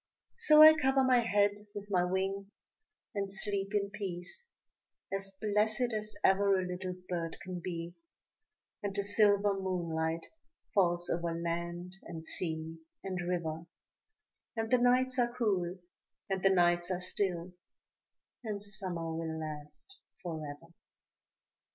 So I cover my head with my wing, and sleep in peace, As blessed as ever a little bird can be; And the silver moonlight falls over land and sea and river, And the nights are cool, and the nights are still, and Summer will last forever.